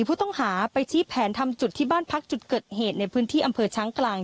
ผู้ต้องหาไปชี้แผนทำจุดที่บ้านพักจุดเกิดเหตุในพื้นที่อำเภอช้างกลาง